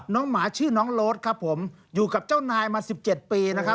หมาชื่อน้องโรดครับผมอยู่กับเจ้านายมา๑๗ปีนะครับ